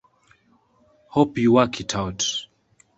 Hope you work it out.